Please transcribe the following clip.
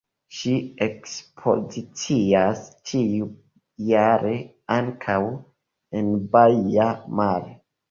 Ŝi ekspozicias ĉiujare ankaŭ en Baia Mare.